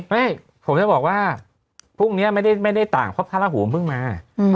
เฮ้ยผมจะบอกว่าพรุ่งเนี้ยไม่ได้ไม่ได้ต่างเพราะพระหูมันเพิ่งมา